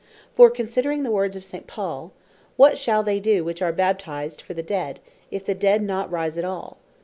For considering the words of St. Paul (1 Cor. 15. 29.) "What shall they doe which are Baptized for the dead, if the dead rise not at all?